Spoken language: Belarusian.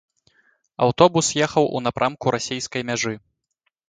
Аўтобус ехаў у напрамку расійскай мяжы.